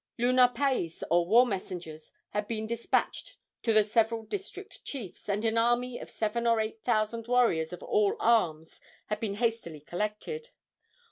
Lunapais, or war messengers, had been despatched to the several district chiefs, and an army of seven or eight thousand warriors of all arms had been hastily collected.